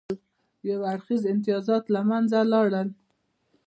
یو اړخیز امتیازات له منځه لاړل.